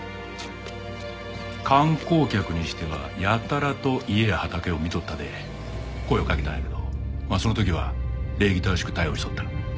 観光客にしてはやたらと家や畑を見とったで声をかけたんやけどその時は礼儀正しく対応しとった。